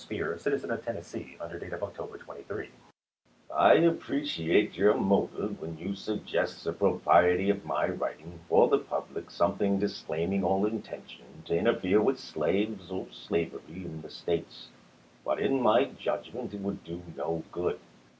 Speer, a citizen of TeDnessee, under date of October 23 : I appreciate your motive when you suggest the pro priety of my writing for the public something disclaiming all intention to interfere with slaves or slavery in the States ; but in my judgment it would do no good.